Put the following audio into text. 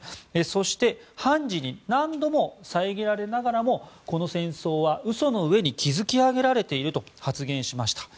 そして、判事に何度も遮られながらもこの戦争は嘘の上に築き上げられていると発言しました。